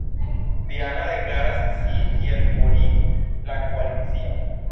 Diana deklaras scii kiel forigi la Koalicion.